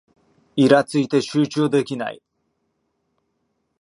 イラついて集中できない